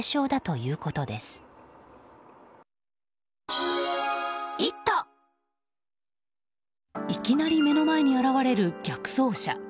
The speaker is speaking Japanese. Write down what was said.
いきなり目の前に現れる逆走車。